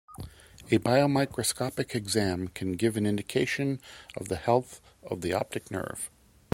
A biomicroscopic exam can give an indication of the health of the optic nerve.